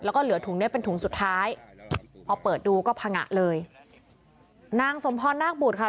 แล้วก็เหลือถุงเนี้ยเป็นถุงสุดท้ายพอเปิดดูก็พังงะเลยนางสมพรนาคบุตรค่ะ